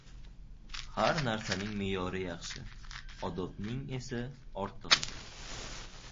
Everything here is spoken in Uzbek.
• Har narsaning me’yori yaxshi. Odobning esa ortig‘i.